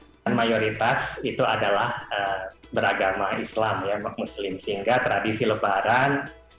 indonesia memang mayoritas itu adalah beragama islam ya mbak muslim sehingga tradisi lebaran